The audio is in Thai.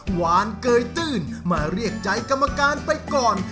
หวานเกยตื้นมาเรียกใจกรรมการไปก่อน